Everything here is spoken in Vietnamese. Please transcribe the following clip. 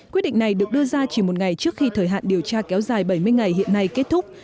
quyết định này được đưa ra chỉ một ngày trước khi thời hạn điều tra kéo dài bảy mươi ngày hiện nay kết thúc